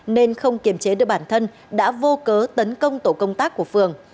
nên không kiềm chế được bản thân đã vô cớ tấn công tổ công tác của phường